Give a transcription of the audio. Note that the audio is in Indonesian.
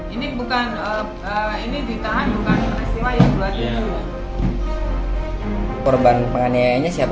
itu bukan perban penganiayanya